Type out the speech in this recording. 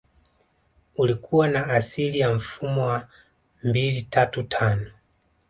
Ulikua na asili ya mfumo wa mbili tatu tano